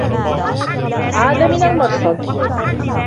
عاد من المرصد.